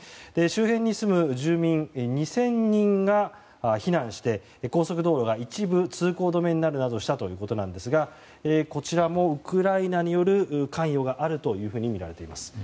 周辺に住む住民２０００人が避難して高速道路が一部、通行止めになるなどしたということですがこちらもウクライナによる関与があるとみられています。